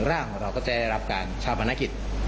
ร่างของเราก็จะได้รับการชาปนกิจ